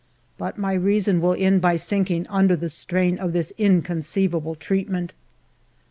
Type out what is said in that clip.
But my reason will end by sinking under the strain of this inconceivable treatment.